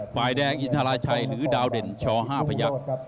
ฝ่ายแดงอินทราชัยหรือดาวเด่นช๕พยักษ์